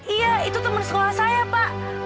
iya itu teman sekolah saya pak